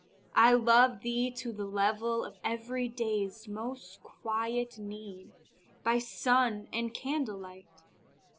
I love thee to the level of everyday's Most quiet need, by sun and candle light.